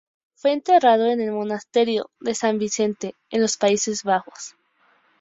Fue enterrado en el Monasterio de San Vicente, en los Países Bajos.